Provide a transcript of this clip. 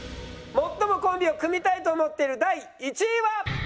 最もコンビを組みたいと思ってる第１位は？